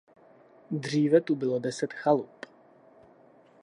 Dříve tu bylo deset chalup.